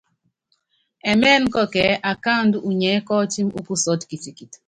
Ɛmɛ́nɛ́ kɔkɔ ɛ́ɛ́ akáandú unyiɛ́ kɔ́ɔtímí úkusɔ́tɔ kitikit.